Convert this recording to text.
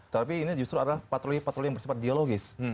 tapi ini justru adalah patroli patroli yang bersifat dialogis